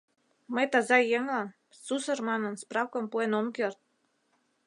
Мый таза еҥлан, «сусыр» манын, справкым пуэн ом керт.